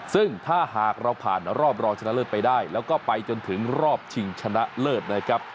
ซึ่งถ้าหากเราผ่านรอบรองชนะเลิศไปได้แล้วก็ไปจนถึงรอบชิงชนะเลิศนะครับ